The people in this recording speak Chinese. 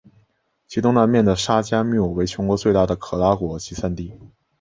其东南面的沙加穆为全国最大的可拉果集散地。